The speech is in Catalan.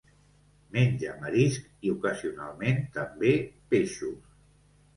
Menja marisc i, ocasionalment també, peixos.